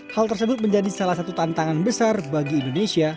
hal tersebut menjadi salah satu tantangan besar bagi indonesia